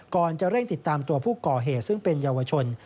ก่อนจะเร่งติดตามตัวผู้ก่อเหตุซึ่งเป็นเยาวชน